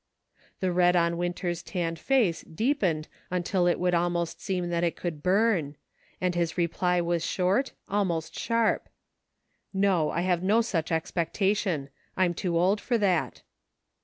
The red on Winter's tanned face deepened until it would almost seem that it could burn ; and his reply was short — almost sharp :" No, I have no such expectation ; I'm too old for that."